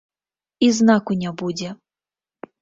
І знаку не будзе.